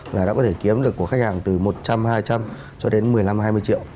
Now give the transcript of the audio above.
là đã có thể kiếm được của khách hàng từ một trăm linh hai trăm linh cho đến một mươi năm hai mươi triệu